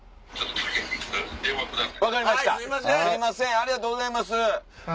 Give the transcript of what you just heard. ありがとうございます。